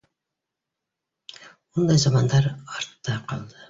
Ундай замандар артта ҡалды.